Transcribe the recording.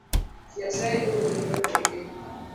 Nyasaye oori mondo idhi